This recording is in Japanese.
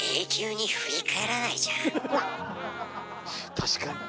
確かに！